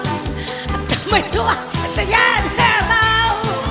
ทำให้ทุ่งงั้นจะแย่แน่เรา